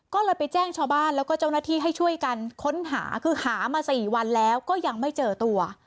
ก็เลยไปแจ้งชาวบ้านแล้วก็เจ้าหน้าที่ให้ช่วยกันค้นหาคือหามา๔วันแล้วก็ยังไม่เจอตัว